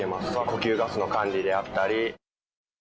呼吸、ガスの管理であったり。